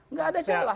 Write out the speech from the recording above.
nggak ada celah